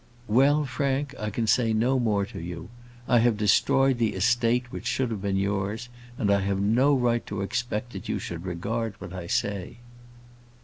"Well, Frank, I can say no more to you. I have destroyed the estate which should have been yours, and I have no right to expect you should regard what I say."